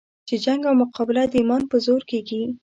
چې جنګ او مقابله د ایمان په زور کېږي.